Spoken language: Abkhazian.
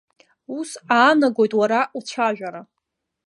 Ус аанагоит уара уцәажәара.